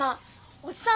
お父さん。